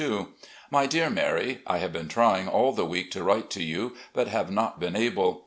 My Dear Mary: I have been trying all the week to write to you, but have not been able.